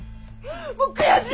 もう悔しい！